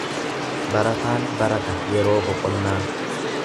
Barataan barata yeroo boqonnaa.